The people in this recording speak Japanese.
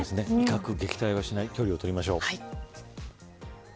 威嚇、撃退はせずに距離をとりましょう。